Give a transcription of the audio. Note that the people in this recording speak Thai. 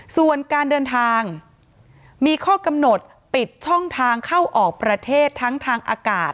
ส่วนการเดินทางมีข้อกำหนดปิดช่องทางเข้าออกประเทศทั้งทางอากาศ